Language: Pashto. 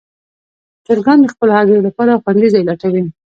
چرګان د خپلو هګیو لپاره خوندي ځای لټوي.